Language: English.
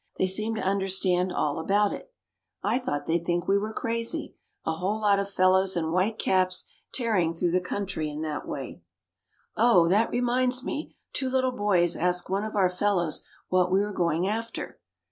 They seemed to understand all about it. I thought they'd think we were crazy a whole lot of fellows in white caps tearing through the country in that way. "Oh, that reminds me: two little boys asked one of our fellows what we were going after.